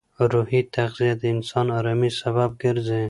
روحي تغذیه د انسان ارامۍ سبب ګرځي.